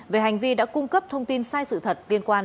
về hành vi đã cung cấp thông tin sai sự thật